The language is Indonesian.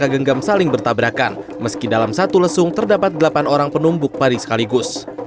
mereka genggam saling bertabrakan meski dalam satu lesung terdapat delapan orang penumbuk pari sekaligus